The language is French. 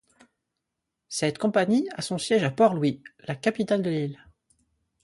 Cette compagnie a son siège à Port-Louis, la capitale de l'île.